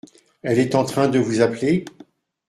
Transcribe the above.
Elle est en train de vous appeler ?